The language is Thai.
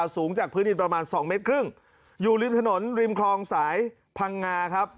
สูงจากพื้นดินประมาณสองเมตรครึ่งอยู่ริมถนนริมคลองสายพังงาครับ